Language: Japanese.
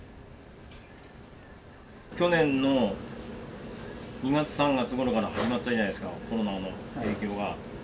去年の２月、３月ごろから始まったじゃないですか、コロナの影響が。